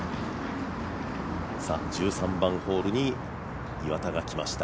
１３番ホールに岩田が来ました。